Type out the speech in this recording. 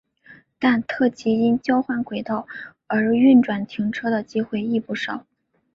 但特急因交换轨道而运转停车的机会亦不少。